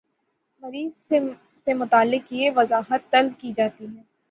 مریض سے متعلق یہ وضاحت طلب کی جاتی ہے